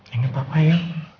ingat papa ya